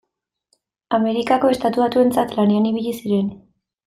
Amerikako Estatu Batuentzat lanean ibili ziren.